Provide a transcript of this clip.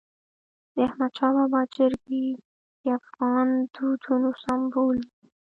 د احمدشاه بابا جرګي د افغان دودونو سمبول وي.